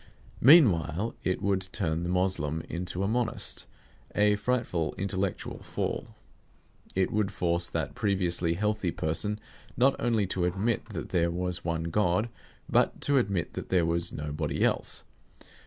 Meanwhile, it would turn the Moslem into a Monist: a frightful intellectual fall. It would force that previously healthy person not only to admit that there was one God, but to admit that there was nobody else.